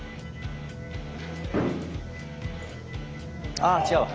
あ違うわ。